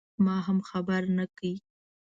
ما هم خبر نه کړ.